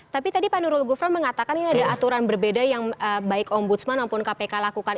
tapi tadi pak nurul gufron mengatakan ini ada aturan berbeda yang baik ombudsman maupun kpk lakukan